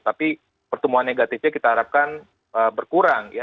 tapi pertumbuhan negatifnya kita harapkan berkurang ya